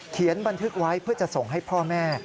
บันทึกไว้เพื่อจะส่งให้พ่อแม่